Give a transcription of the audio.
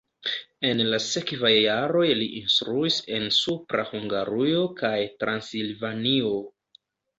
En la sekvaj jaroj li instruis en Supra Hungarujo kaj Transilvanio.